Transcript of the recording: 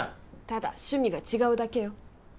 ただ趣味が違うだけよ